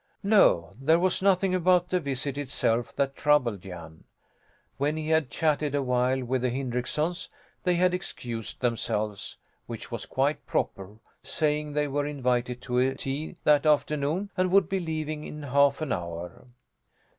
No, there was nothing about the visit itself that troubled Jan. When he had chatted a while with the Hindricksons they had excused themselves which was quite proper saying they were invited to a tea that afternoon and would be leaving in half an hour.